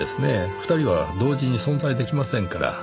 ２人は同時に存在出来ませんから。